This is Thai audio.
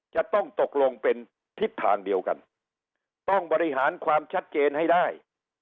จะต้องตกลงเป็นทิศทางเดียวกันต้องบริหารความชัดเจนให้ได้